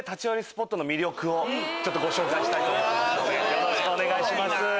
よろしくお願いします。